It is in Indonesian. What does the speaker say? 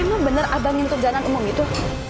emang bener abang yang nutup jalan ngomong gitu